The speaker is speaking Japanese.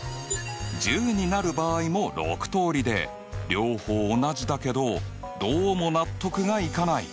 １０になる場合も６通りで両方同じだけどどうも納得がいかない。